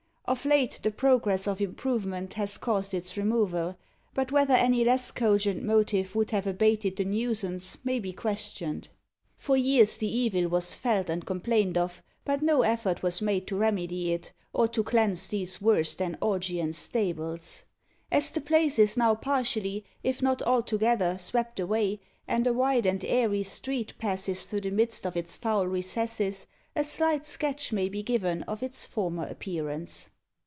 Of late, the progress of improvement has caused its removal; but whether any less cogent motive would have abated the nuisance may be questioned. For years the evil was felt and complained of, but no effort was made to remedy it, or to cleanse these worse than Augean stables. As the place is now partially, if not altogether, swept away, and a wide and airy street passes through the midst of its foul recesses, a slight sketch may be given of its former appearance.